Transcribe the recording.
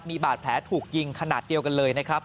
มีบาดแผลถูกยิงขนาดเดียวกันเลยนะครับ